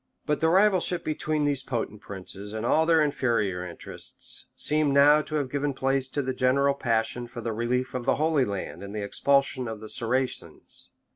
But the rivalship between these potent princes, and all their inferior interests, seemed now to have given place to the general passion for the relief of the Holy Land and the expulsion of the Saracens.